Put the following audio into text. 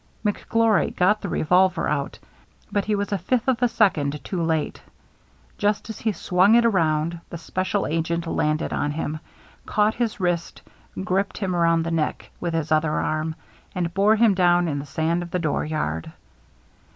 McGlory got the revolver out, but he was a fifth of a second too late. Just as he swung it around, the special agent landed on him, caught his wrist, gripped him around the neck with his other arm, and bore him down in the sand of the dooryard.